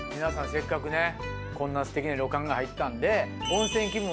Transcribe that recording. せっかくねこんなすてきな旅館入ったんで。